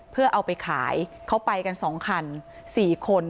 เพื่อเอาไปขายเขาไปกัน๒คัน๔คน